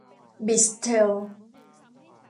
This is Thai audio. บลิส-เทล